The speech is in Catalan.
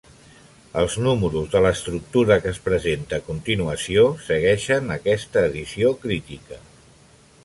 Els números de l'estructura que es presenta a continuació segueixen aquesta edició crítica.